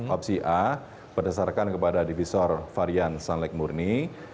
opsi a berdasarkan kepada divisor varian sun lake murni